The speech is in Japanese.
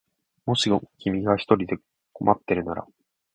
もしも君が一人困ってるなら